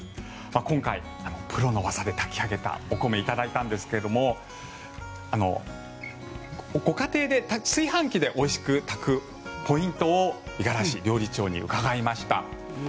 今回、プロの技で炊き上げたお米をいただいたんですがご家庭で、炊飯器でおいしく炊くポイントを五十嵐料理長に伺いました。